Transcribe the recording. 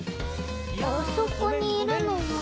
あそこにいるのは。